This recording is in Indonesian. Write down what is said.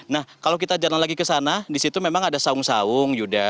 nah kalau kita jalan lagi ke sana di situ memang ada saung saung yuda